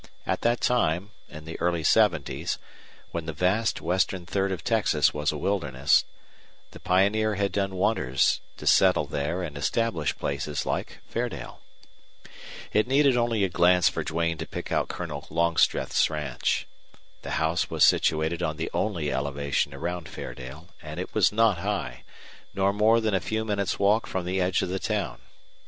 At that time, in the early seventies, when the vast western third of Texas was a wilderness, the pioneer had done wonders to settle there and establish places like Fairdale. It needed only a glance for Duane to pick out Colonel Longstreth's ranch. The house was situated on the only elevation around Fairdale, and it was not high, nor more than a few minutes' walk from the edge of the town.